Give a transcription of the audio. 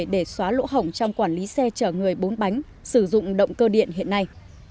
để xóa lỗ hỏng trong quản lý xe chở người bốn bánh sử dụng động cơ điện hiện nay